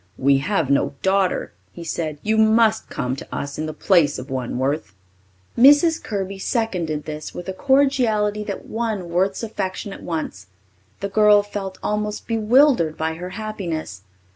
"We have no daughter," he said. "You must come to us in the place of one, Worth." Mrs. Kirby seconded this with a cordiality that won Worth's affection at once. The girl felt almost bewildered by her happiness.